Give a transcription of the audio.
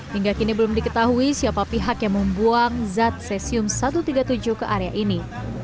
hingga kini belum diketahui siapa pihak yang membuang zat cesium satu ratus tiga puluh tujuh ke area ini